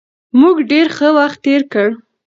موږ ډېر ښه وخت تېر کړ.